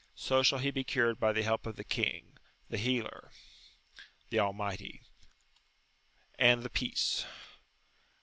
So shall he be cured by the help of the King, the Healer.[FN#13] And The Peace.